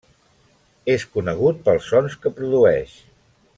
És conegut pels sons que produeix.